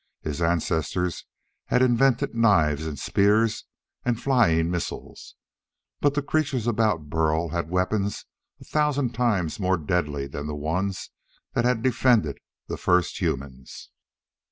His ancestors had invented knives and spears and flying missiles, but the creatures about Burl had weapons a thousand times more deadly than the ones that had defended the first humans.